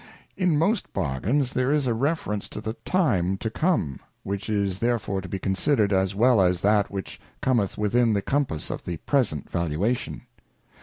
In most Bargains there is a reference to the time to come, which is therefore to be considered as well as that which Cometh within the compass of the. present valuation.